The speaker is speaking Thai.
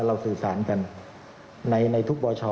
เราสื่อสารกันในทุกบอชอ